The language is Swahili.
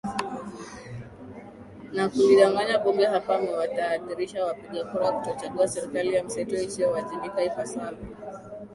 na kulidanganya bunge hapa amewatahadharisha wapiga kura kutochagua serikali ya mseto isiowajibika ipasavyo